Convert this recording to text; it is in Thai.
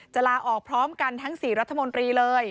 ลาออกพร้อมกันทั้ง๔รัฐมนตรีเลย